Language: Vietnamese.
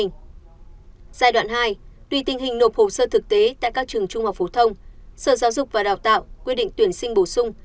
giai đoạn hai tùy tình hình nộp hồ sơ thực tế tại các trường trung học phổ thông sở giáo dục và đào tạo quy định tuyển sinh bổ sung